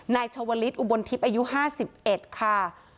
นายชาวลิศอุบลทิพย์อายุ๕๑ค่ะ